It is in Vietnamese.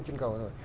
trên cầu rồi